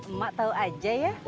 emak tau aja ya